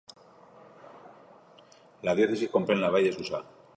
La diòcesi comprèn la vall de Susa.